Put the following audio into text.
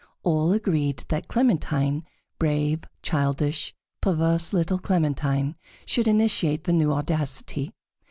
All agreed that Clementine, brave, childish, perverse little Clementine, should initiate the new audacity.